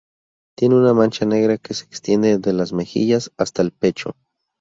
Tiene una mancha negra que se extiende de las mejillas hasta el pecho.